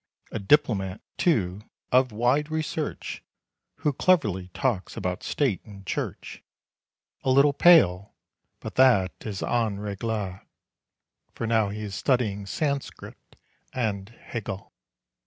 A diplomat, too, of wide research Who cleverly talks about state and church. A little pale, but that is en règle, For now he is studying Sanscrit and Hegel.